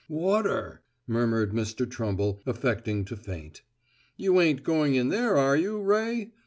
"Water!" murmured Mr. Trumble, affecting to faint. "You ain't going in there, are you, Ray?"